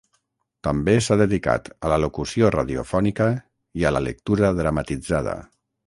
També s’ha dedicat a la locució radiofònica i a la lectura dramatitzada.